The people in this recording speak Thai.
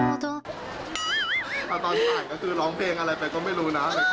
ตอนที่อ่านก็คือร้องเพลงอะไรไปก็ไม่รู้นะ